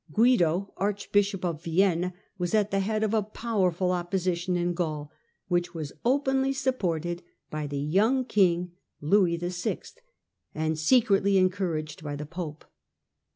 Guido, archbishop of Vienne, was at the head of a powerful opposition in Gaul, which was openly supported by the young king, Louis VI., and secretly encouraged by the pope.